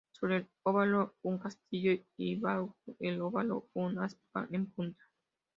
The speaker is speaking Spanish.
Sobre el óvalo un castillo y bajo el óvalo un aspa en punta.